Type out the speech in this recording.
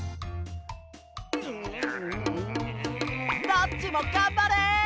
どっちもがんばれ！